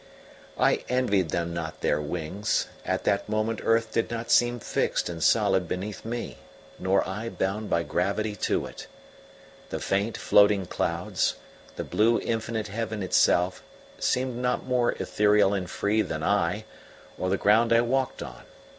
I envied them not their wings: at that moment earth did not seem fixed and solid beneath me, nor I bound by gravity to it. The faint, floating clouds, the blue infinite heaven itself, seemed not more ethereal and free than I, or the ground I walked on.